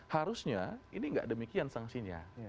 harusnya ini tidak demikian sanksinya